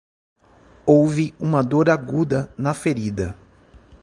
Houve uma dor aguda na ferida